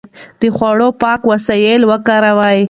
د خوړو پاکې وسيلې وکاروئ.